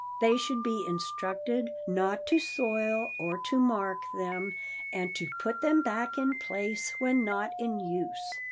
They should be instructed not to soil or to mark them and to put them back in place when not in use.